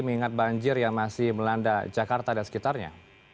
mengingat banjir yang masih melanda jakarta dan sekitarnya